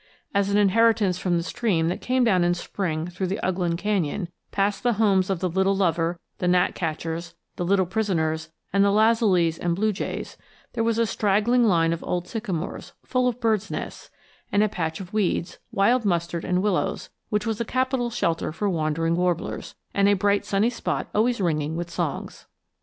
As an inheritance from the stream that came down in spring through the Ughland canyon past the homes of the little lover, the gnatcatchers, the little prisoners, and the lazulis and blue jays there was a straggling line of old sycamores, full of birds' nests; and a patch of weeds, wild mustard, and willows, which was a capital shelter for wandering warblers; and a bright sunny spot always ringing with songs.